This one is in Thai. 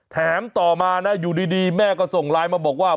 แถมต่อมานะอยู่ดีแม่ก็ส่งไลน์มาบอกว่า